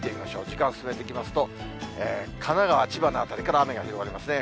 時間進めていきますと、神奈川、千葉の辺りから雨が広がりますね。